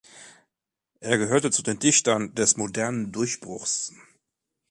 Er gehörte zu den Dichtern „des modernen Durchbruchs“.